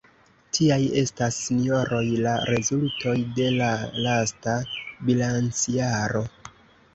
Tiaj estas, sinjoroj, la rezultoj de la lasta bilancjaro.